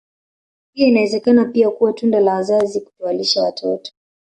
Hiyo inawezeka pia kuwa tunda la wazazi kutowalisha watoto